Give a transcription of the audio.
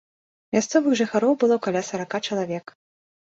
Мясцовых жыхароў было каля сарака чалавек.